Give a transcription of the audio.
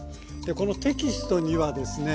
このテキストにはですね